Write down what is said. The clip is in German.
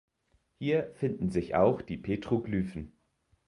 Hier finden sich auch Petroglyphen.